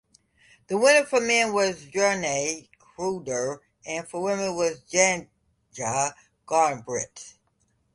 The winner for men was Jernej Kruder and for women was Janja Garnbret.